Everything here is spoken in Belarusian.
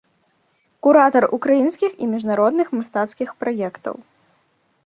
Куратар ўкраінскіх і міжнародных мастацкіх праектаў.